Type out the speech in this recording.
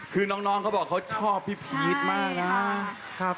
คือน้องก็บอกเขาชอบพี่พีชมากนะ